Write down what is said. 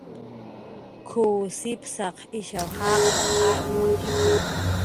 "K""uw sipsaq ishaw jaqar ar munkitxi"